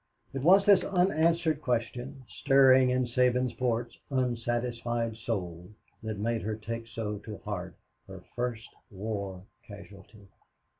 It was this unanswered question, stirring in Sabinsport's unsatisfied soul, that made her take so to heart her first war casualty.